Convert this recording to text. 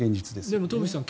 でも東輝さん